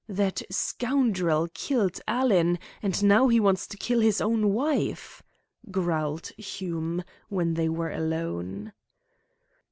"That scoundrel killed Alan, and now he wants to kill his own wife!" growled Hume, when they were alone.